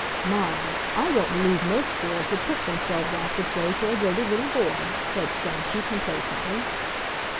"My! I don't believe most girls would put themselves out this way for a dirty little boy!" said Stashie, complacently.